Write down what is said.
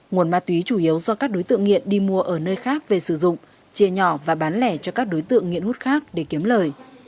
nguồn ma túy chủ yếu do các đối tượng nghiện đi mua ở nơi khác về sử dụng chia nhỏ và bán lẻ cho các đối tượng nghiện hút khác để kiếm lời